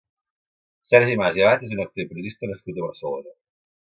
Sergi Mas i Abad és un actor i periodista nascut a Barcelona.